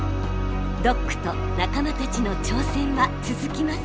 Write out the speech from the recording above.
ドックと仲間たちの挑戦は続きます！